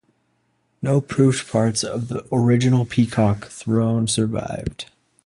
No proofed parts of the original Peacock Throne survived.